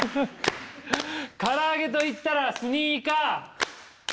からあげと言ったらスニーカー。